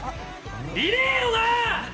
いねぇよな！